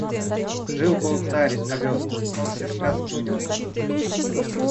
Жил-был царь овес, он все сказки унес.